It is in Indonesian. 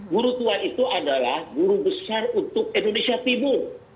guru tua itu adalah guru besar untuk indonesia timur